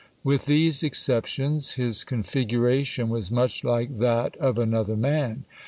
With these exceptions, his con figuration was much like that of another man.